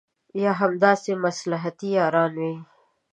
یا همداسې مصلحتي یاران وي.